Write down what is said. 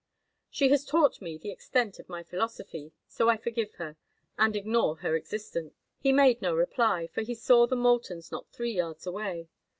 "She has taught me the extent of my philosophy, so I forgive her—and ignore her existence." He made no reply, for he saw the Moultons not three yards away.